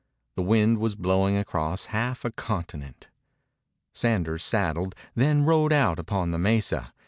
The wind was blowing across half a continent. Sanders saddled, then rode out upon the mesa.